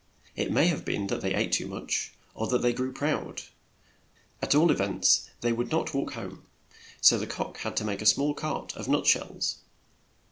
It may have been that they ate too much, or that they grew proud ; at all e vents they would not walk home, so the cock had to make a small cart of nut shells.